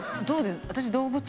私動物。